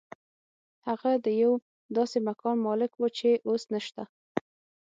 هغه د یو داسې مکان مالک و چې اوس نشته